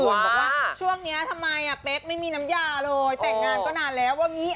บอกว่าช่วงนี้ทำไมอ่ะเป๊กไม่มีน้ำยาเลยแต่งงานก็นานแล้วว่างี้